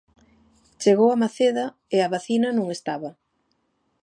Chegou a Maceda e a vacina non estaba.